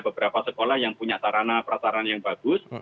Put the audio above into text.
beberapa sekolah yang punya sarana prasarana yang bagus